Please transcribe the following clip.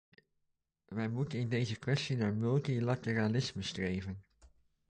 Wij moeten in deze kwestie naar multilateralisme streven.